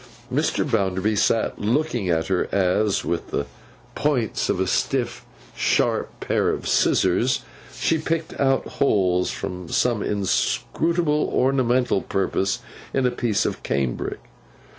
Mr. Bounderby sat looking at her, as, with the points of a stiff, sharp pair of scissors, she picked out holes for some inscrutable ornamental purpose, in a piece of cambric.